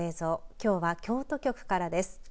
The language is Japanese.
きょうは京都局からです。